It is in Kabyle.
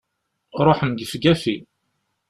Ruḥen gefgafi!